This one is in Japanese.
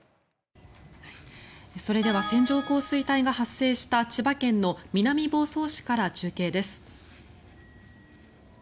それでは線状降水帯が発生した千葉県の南房総市から中継です。